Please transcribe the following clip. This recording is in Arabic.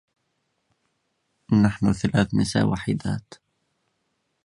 نحن ثلاث نساء وحيدات.